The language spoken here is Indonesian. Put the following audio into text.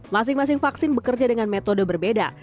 masing masing vaksin bekerja dengan metode berbeda